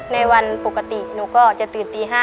ในวันปกติหนูก็จะตื่นตี๕